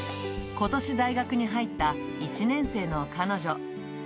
ことし大学に入った１年生の彼女。